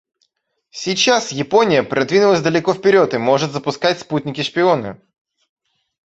Сейчас Япония продвинулась далеко вперед и может запускать спутники-шпионы.